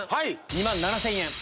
２万７０００円。